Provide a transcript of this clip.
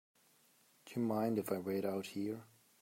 Do you mind if I wait out here?